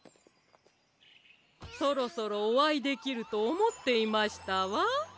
そろそろおあいできるとおもっていましたわ。